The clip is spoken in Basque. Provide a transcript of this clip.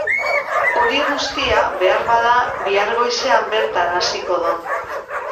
Hori guztia, beharbada, bihar goizean bertan hasiko don.